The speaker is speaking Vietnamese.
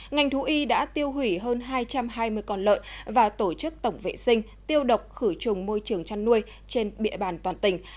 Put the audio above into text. ngành thú y đã tiêu hủy hơn hai trăm hai mươi con lợn và tổ chức tổng vệ sinh tiêu độc khử trùng môi trường chăn nuôi trên địa bàn toàn tỉnh